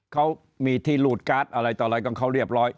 เขามีทีลูดการ์ดอะไรต่อเลยกับเขาเรียบร้อย